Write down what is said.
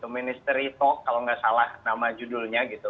ministry talk kalau nggak salah nama judulnya